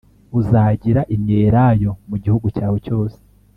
uzagira imyelayo mu gihugu cyawe cyose